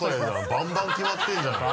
バンバン決まってるじゃないの。